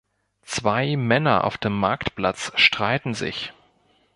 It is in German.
Zwei Männer auf dem Marktplatz streiten sich.